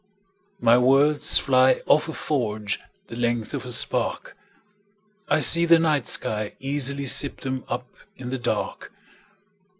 My words fly off a forgeThe length of a spark;I see the night sky easily sip themUp in the dark.